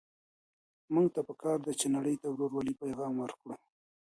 موږ ته په کار ده چي نړۍ ته د ورورولۍ پيغام ورکړو.